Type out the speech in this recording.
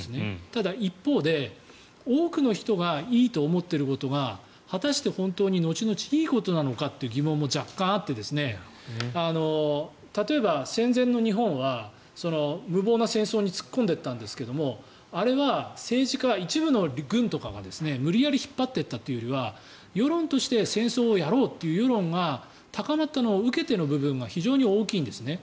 ただ、一方で多くの人がいいと思っていることが果たして、本当に後々いいことなのかという疑問も若干あって例えば、戦前の日本は無謀な戦争に突っ込んでったんですがあれは一部の軍とかが無理やり引っ張っていったというよりは世論として戦争をやろうという世論が高まったのを受けての部分が非常に大きいんですね。